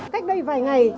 cách đây vài ngày